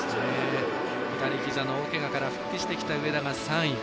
左ひざの大けがから復帰してきた上田が３位。